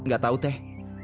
gak tahu teh